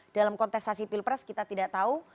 dalam kontestasi pilpres kita tidak tahu